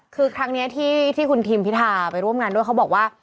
คือครั้งนี้ที่คุณทิมพิธาไปร่วมงานด้วยเขาบอกว่า